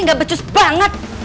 gak becus banget